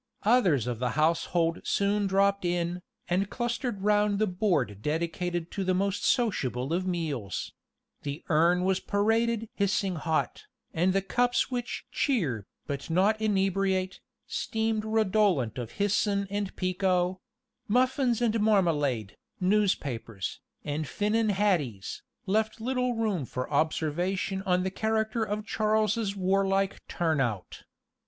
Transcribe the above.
Others of the household soon dropped in, and clustered round the board dedicated to the most sociable of meals; the urn was paraded "hissing hot," and the cups which "cheer, but not inebriate," steamed redolent of hyson and pekoe; muffins and marmalade, newspapers, and Finnan haddies, left little room for observation on the character of Charles's warlike "turn out."